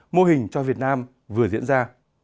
mô hình cho việt nam vừa diễn ra